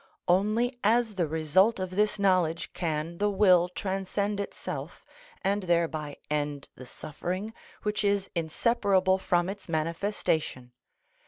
Only as the result of this knowledge can the will transcend itself, and thereby end the suffering which is inseparable from its manifestation.